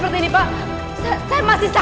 perboleh aku dihantuminya